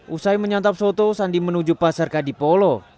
usai menyantap soto sandi menuju pasar kadipolo